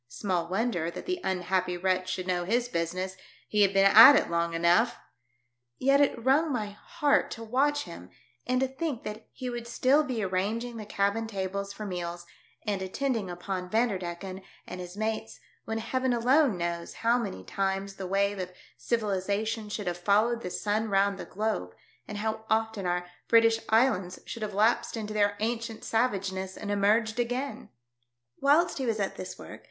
Small wonder that the unhappy wretch should know hir business ! He had been at it long enough ! Yet it wrung my heart to watch him and to think that he would still be arrangfino the cabin tables for meals, and attending upon Vanderdecken and his mates when Heaven alone knows how many times the wave of civilisation should have followed the sun round the globe, and how often our British Islands should have lapsed into their ancient savageness and emerged again. Whilst he was at this work.